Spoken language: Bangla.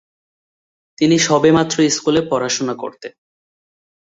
তিনি সবেমাত্র স্কুলে পড়াশোনা করতেন।